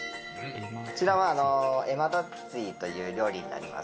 こちらはエマダツィという料理になります